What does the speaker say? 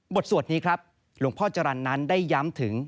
สวดนี้ครับหลวงพ่อจรรย์นั้นได้ย้ำถึง